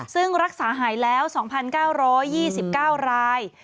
ซึ่งรักษาหายแล้ว๒๙๒๙ราย